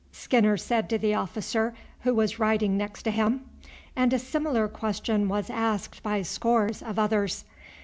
Skinner said to the officer who was riding next to him; and a similar question was asked by scores of others.